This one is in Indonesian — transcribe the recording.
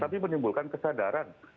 tapi menimbulkan kesadaran